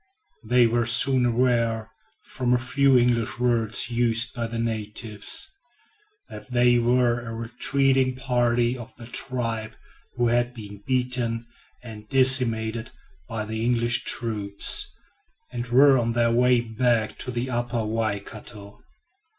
They were soon aware, from a few English words used by the natives, that they were a retreating party of the tribe who had been beaten and decimated by the English troops, and were on their way back to the Upper Waikato.